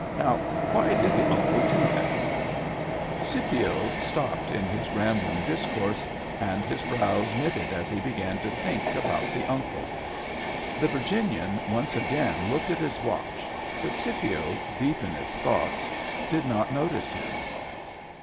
Now why did the Uncle do that ?" Scipio stopped in his rambling discourse, and his brows knitted as he began to think about the Uncle. The Virginian once again looked at his watch, but Scipio, deep in his thoughts, did not notice him.